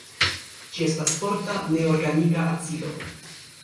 Ĝi estas forta neorganika acido.